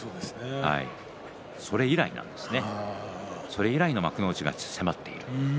それ以来なんですねそれ以来の幕内が迫っている。